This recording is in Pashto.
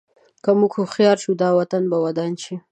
که موږ هوښیار شو، دا وطن به ودان شي.